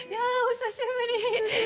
久しぶり。